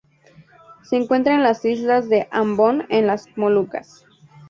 Se encuentra en la isla de Ambon en las Molucas.